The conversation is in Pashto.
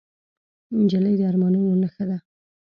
نجلۍ د ارمانونو نښه ده.